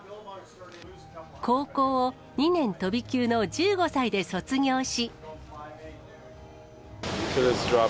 高校を２年飛び級の１５歳で卒業し。